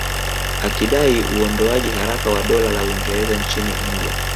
Akidai uondoaji haraka wa Dola la Uingereza nchini India